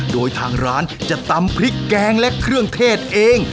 โดยทางร้านจะตำพริกแกงและเครื่องเทศเอง